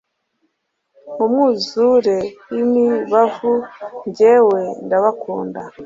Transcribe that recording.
Mu mwuzure wimibavu Njyewe ndabakunda